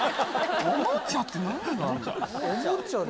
おもちゃって何だ？